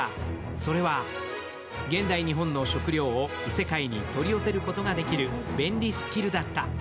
それは現代日本の食料を異世界に取り寄せることができる便利スキルだった。